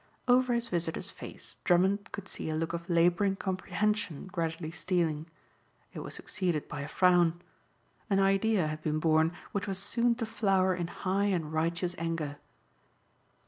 Over his visitor's face Drummond could see a look of laboring comprehension gradually stealing. It was succeeded by a frown. An idea had been born which was soon to flower in high and righteous anger.